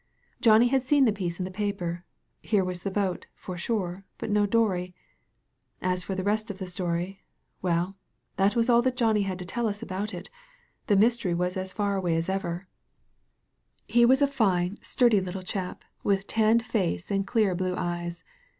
Johnny had seen the piece in the paper. Here was the boat, for sure, but no dory. As for the rest of the story 253 THE VALLEY OF VISION — welly that was all that Johnoy had to tell us about it — ^the mystery was as far away as ever, ''He was a fine, sturdy little chap, with tanned face and clear blue eyes.